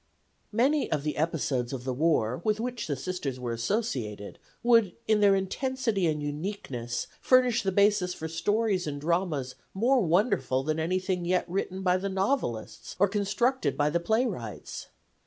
Many of the episodes of the war with which the Sisters were associated would in their intensity and uniqueness furnish the basis for stories and dramas more wonderful than anything yet written by the novelists or constructed by the playwrights.